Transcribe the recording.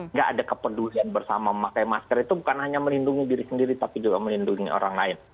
nggak ada kepedulian bersama memakai masker itu bukan hanya melindungi diri sendiri tapi juga melindungi orang lain